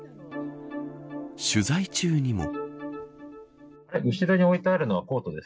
取材中にも。